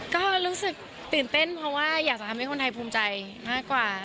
ก็รู้สึกตื่นเต้นเพราะว่าอยากจะทำให้คนไทยภูมิใจมากกว่า